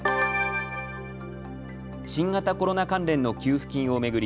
新型コロナ関連の給付金を巡り